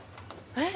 えっ？